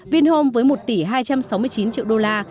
vinhome với một tỷ hai trăm sáu mươi chín triệu đô la